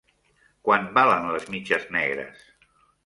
Quant valen les mitges negres?